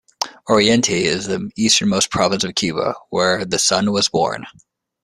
Oriente is the easternmost province of Cuba, where the son was born.